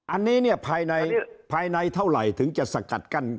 อันนี้นี้ภายในเท่าไหรก์ถึงจะสกัดกัน